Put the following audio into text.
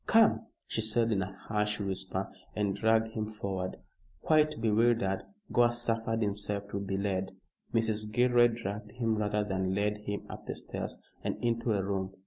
"Come," she said in a harsh whisper, and dragged him forward. Quite bewildered, Gore suffered himself to be led. Mrs. Gilroy dragged him rather than led him up the stairs and into a room.